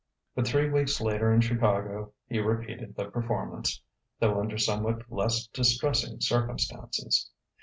But three weeks later in Chicago he repeated the performance, though under somewhat less distressing circumstances.